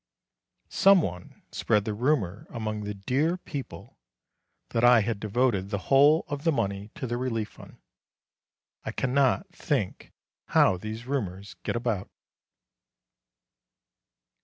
Some one spread the rumour among the dear people that I had devoted the whole of the money to the Relief Fund. I cannot think how these rumours get about.